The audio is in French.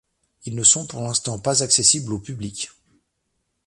Ils ne sont pour l'instant pas accessibles au public.